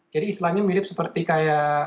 istilahnya mirip seperti kayak